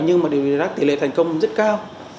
nhưng mà điều trị lắc tỷ lệ thành công rất cao